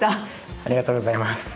ありがとうございます。